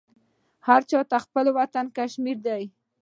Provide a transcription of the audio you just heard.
هرچاته خپل وطن کشمیردی